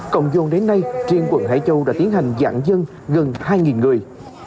cộng dồn đến nay riêng quận hải châu đã tiến hành giãn dân gần hai người